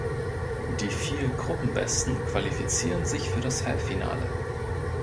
Die vier Gruppenbesten qualifizieren sich für das Halbfinale.